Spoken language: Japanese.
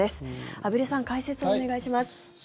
畔蒜さん、解説お願いします。